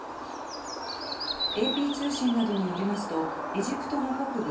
ＡＰ通信などによりますとエジプトの北部